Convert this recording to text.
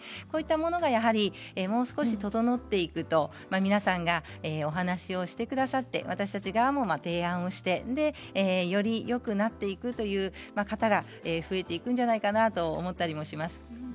こういったものがもう少し整っていくと皆さんがお話をしてくださって私たち側も提案してよりよくなっていくという方が増えていくんじゃないかなと思ったりもします。